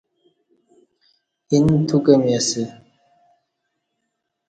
اینہ تو کہ می اسہ